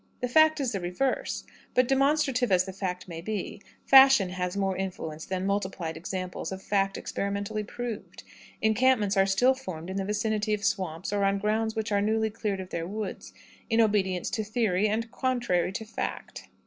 "The fact is the reverse; but, demonstrative as the fact may be, fashion has more influence than multiplied examples of fact experimentally proved. Encampments are still formed in the vicinity of swamps, or on grounds which are newly cleared of their woods, in obedience to theory, and contrary to fact.